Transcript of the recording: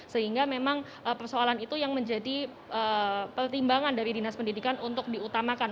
sehingga memang persoalan itu yang menjadi pertimbangan dari dinas pendidikan untuk diutamakan